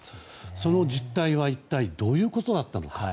その実態は一体どういうことだったのか。